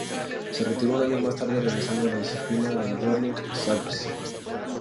Se retiró un año más tarde, regresando la disciplina del Górnik Zabrze.